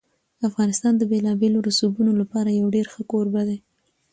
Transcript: افغانستان د بېلابېلو رسوبونو لپاره یو ډېر ښه کوربه دی.